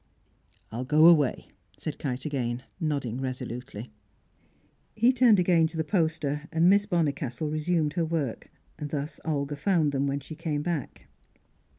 "I'll go away," said Kite again, nodding resolutely. He turned again to the poster, and Miss Bonnicastle resumed her work. Thus Olga found them when she came back.